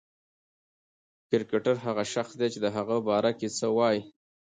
کرکټر هغه شخص دئ، چي د هغه په باره کښي څه وايي.